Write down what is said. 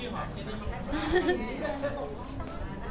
สวัสดีครับ